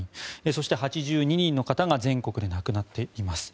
そして、８２人の方が全国で亡くなっています。